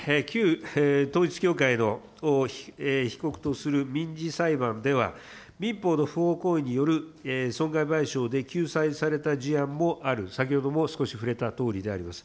旧統一教会の被告とする民事裁判では民法の不法行為による損害賠償で救済された事案もある、先ほども少し触れたとおりであります。